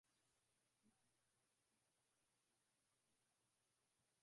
Magonjwa ya aina ya Uviko kumi na tisa